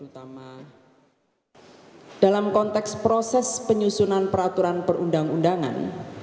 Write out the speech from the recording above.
utama dalam konteks proses penyusunan peraturan perundang undangan